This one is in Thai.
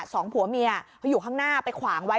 สองผัวเมียเขาอยู่ข้างหน้าไปขวางไว้